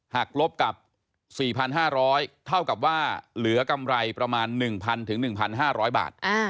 ลบกับ๔๕๐๐เท่ากับว่าเหลือกำไรประมาณ๑๐๐๑๕๐๐บาท